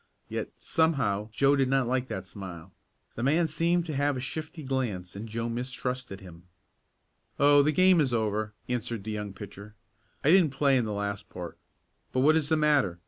Yet, somehow Joe did not like that smile. The man seemed to have a shifty glance and Joe mistrusted him. "Oh, the game is over," answered the young pitcher. "I didn't play in the last part. But what is the matter?